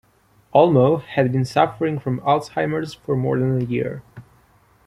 Olmo had been suffering from Alzheimer's for more than a year.